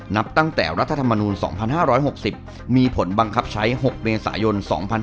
นับตั้งแต่รัฐธรรมนูล๒๕๖๐มีผลบังคับใช้๖เมษายน๒๕๖๒